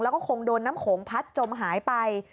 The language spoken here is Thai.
แล้วก็คงโดนน้ำโขงพัดจมหายไป